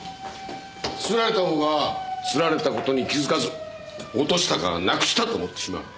掏られたほうが掏られた事に気付かず落としたかなくしたと思ってしまう。